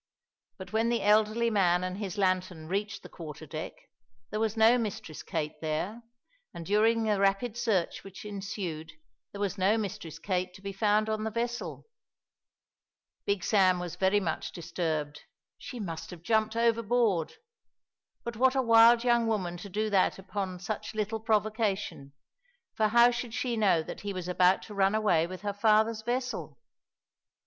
But when the elderly man and his lantern reached the quarter deck, there was no Mistress Kate there, and, during the rapid search which ensued, there was no Mistress Kate to be found on the vessel. Big Sam was very much disturbed; she must have jumped overboard. But what a wild young woman to do that upon such little provocation, for how should she know that he was about to run away with her father's vessel!